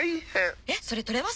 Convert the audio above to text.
えっそれ取れますよ！